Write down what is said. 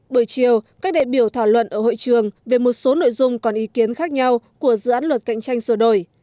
buổi chiều các đại biểu thảo luận ở hội trường về một số nội dung còn ý kiến khác nhau của dự án luật cạnh tranh sửa đổi